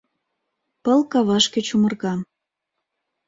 Пыл кавашке чумырга.